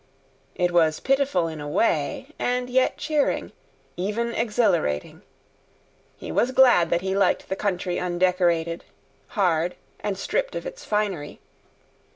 It was pitiful in a way, and yet cheering—even exhilarating. He was glad that he liked the country undecorated, hard, and stripped of its finery.